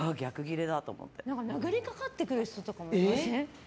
寄りかかってくる人とかいません？